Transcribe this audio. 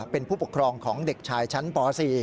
เป็นผู้ปกครองของเด็กชายชั้นป๔